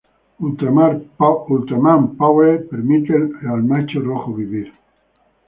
Ultraman Powered permite al macho rojo vivir.